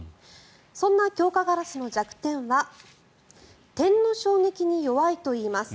そんな強化ガラスの弱点は点の衝撃に弱いといいます。